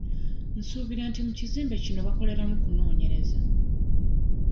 Nsuubira nti mu kizimbe kino bakoleramu kunoonyereza.